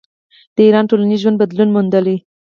د ایران ټولنیز ژوند بدلون موندلی.